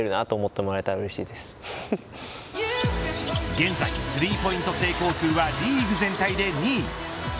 現在スリーポイント成功数はリーグ全体で２位。